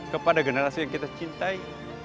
kepada generasi yang kita cintai